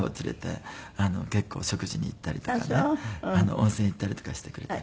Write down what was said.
温泉行ったりとかしてくれている。